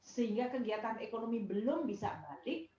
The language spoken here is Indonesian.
sehingga kegiatan ekonomi belum bisa balik